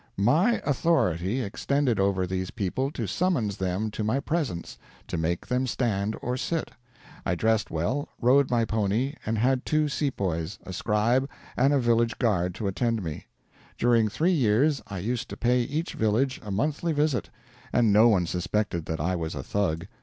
"My authority extended over these people to summons them to my presence, to make them stand or sit. I dressed well, rode my pony, and had two sepoys, a scribe and a village guard to attend me. During three years I used to pay each village a monthly visit, and no one suspected that I was a Thug!